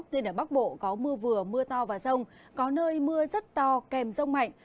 nên ở bắc bộ có mưa vừa mưa to và rông có nơi mưa rất to kèm rông mạnh